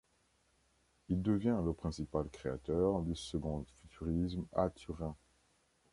Il devient le principal créateur du second futurisme à Turin.